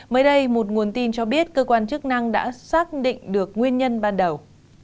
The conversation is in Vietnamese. mới đây một nguồn tin cho biết cơ quan chức năng đã xác định được nguyên nhân ban đầu